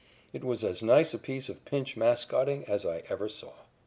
It was as nice a piece of pinch mascoting as I ever saw.